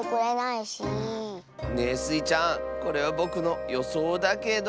ねえスイちゃんこれはぼくのよそうだけど。